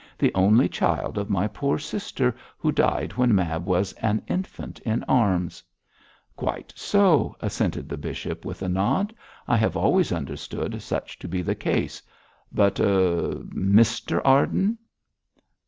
'The only child of my poor sister, who died when Mab was an infant in arms.' 'Quite so!' assented the bishop, with a nod. 'I have always understood such to be the case. But er Mr Arden?'